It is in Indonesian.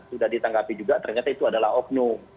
sudah ditanggapi juga ternyata itu adalah oknum